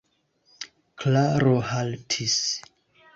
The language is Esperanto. Klaro haltis.